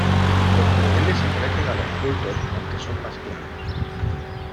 Los juveniles se parecen a los adultos aunque son más claros.